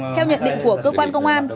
theo nhận định của cơ quan công an